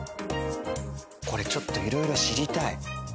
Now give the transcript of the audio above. これちょっといろいろ知りたい。